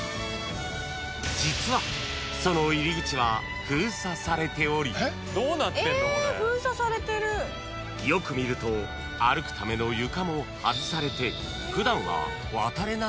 ［実はその入り口は封鎖されておりよく見ると歩くための床も外されて］